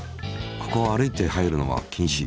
ここは歩いて入るのは禁止。